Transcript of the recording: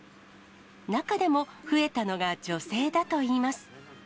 中でも増えたのが女性だといいます。